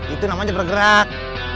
itu namanya bergerak